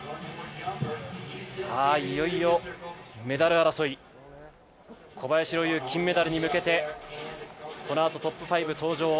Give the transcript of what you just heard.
いよいよメダル争い、小林陵侑、金メダルに向けてこのあとトップ５登場。